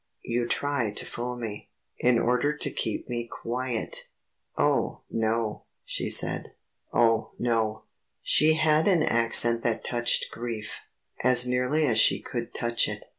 you try to fool me ... in order to keep me quiet ..." "Oh, no," she said. "Oh, no." She had an accent that touched grief, as nearly as she could touch it.